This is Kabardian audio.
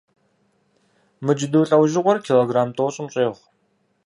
Мы джэду лӏэужьыгъуэр киллограмм тӀощӀым щӀегъу.